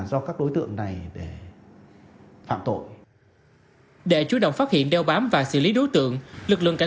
do các đối tượng này để phạm tội để chú động phát hiện đeo bám và xử lý đối tượng lực lượng cảnh